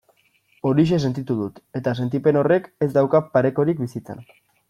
Horixe sentitu dut, eta sentipen horrek ez dauka parekorik bizitzan.